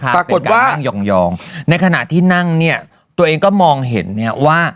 ปรากฏว่านั่งหย่องในขณะที่นั่งเนี่ยตัวเองก็มองเห็นเนี่ยว่า